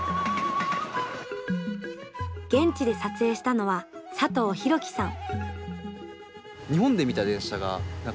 現地で撮影したのは佐藤宏紀さん。